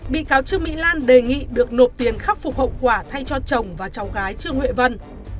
bị cáo trương mỹ lan đề nghị được nộp tiền khắc phục hậu quả thay cho chồng và cháu gái trương huệ vân